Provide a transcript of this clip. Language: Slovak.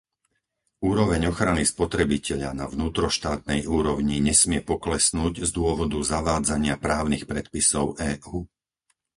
Úroveň ochrany spotrebiteľa na vnútroštátnej úrovni nesmie poklesnúť z dôvodu zavádzania právnych predpisov EÚ.